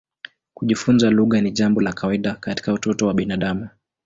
Kujifunza lugha ni jambo la kawaida katika utoto wa binadamu.